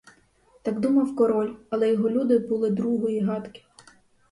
Так думав король, але його люди були другої гадки.